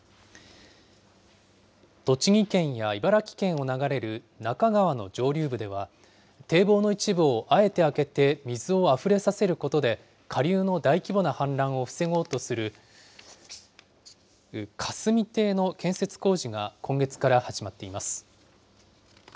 栃木県や茨城県を流れる那珂川の上流部では、堤防の一部をあえて開けて、水をあふれさせることで、下流の大規模な氾濫を防ごうとする、霞堤の建設工事が今月から始まっています。